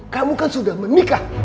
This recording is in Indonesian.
kamu kan sudah menikah